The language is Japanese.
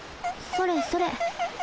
それそれ。